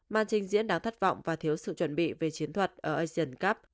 man trình diễn đáng thất vọng và thiếu sự chuẩn bị về chiến thuật ở asian cup